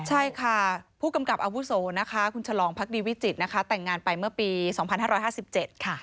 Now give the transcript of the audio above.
ใช่ค่ะผู้กำกับอาวุโสนะคะคุณฉลองพักดีวิจิตรนะคะแต่งงานไปเมื่อปี๒๕๕๗ค่ะ